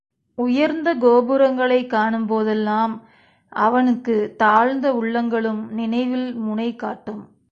உயர்ந்த கோபுரங்களைக் காணும்போதெல்லாம் அவனுக்குத் தாழ்ந்த உள்ளங்களும் நினைவில் முனை காட்டும்.